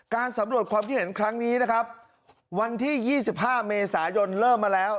สำรวจความคิดเห็นครั้งนี้นะครับวันที่๒๕เมษายนเริ่มมาแล้ว